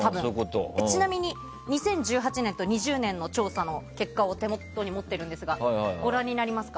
ちなみに、２０１８と２０２０年の結果を手元に持ってるんですがご覧になりますか？